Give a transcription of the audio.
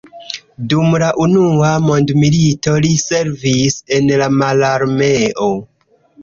Dum la Unua mondmilito li servis en la mararmeo.